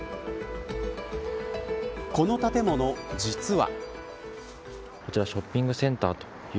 この建物、実は。